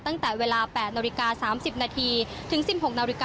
ตั้งแต่เวลา๘น๓๐นถึง๑๖น